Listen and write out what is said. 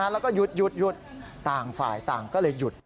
แล้วก็หยุดต่างฝ่ายต่างก็เลยหยุด